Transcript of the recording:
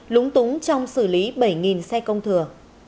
lúng túng trong xử lý bảy xe công thừa